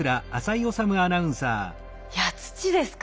いや土ですか。